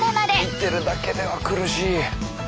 見てるだけでは苦しい。